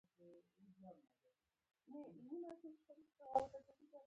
د سیندونو د هیبت او شور په ژبه،